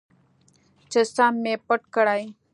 چې سم مې پټ کړي.